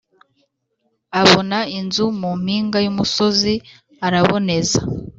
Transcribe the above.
abona inzu mu mpinga y' umusozi arabonez